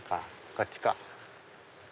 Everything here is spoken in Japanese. こっちか。